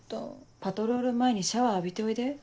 パトロール前にシャワー浴びておいで。